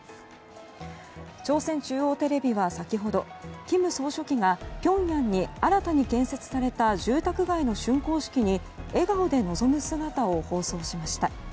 朝鮮中央テレビは先ほど金総書記がピョンヤンに新たに建設された住宅街の竣工式に笑顔で臨む姿を放送しました。